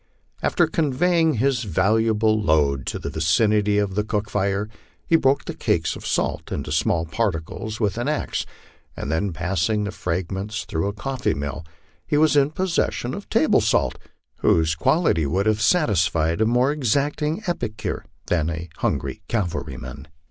After conveying his valuable load to the vicinity of the 234 MY LIFE ON THE PLAINS. cook fire, he broke the cakes of salt into small particles with an axe, and then passing the fragments through a coffee mill, he was in possession of table salt whose quality would have satisfied a more exacting epicure than a hungry cavalryman.